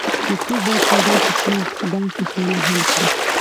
یو څوک باید پیدا شي چې دا کشاله حل کړي.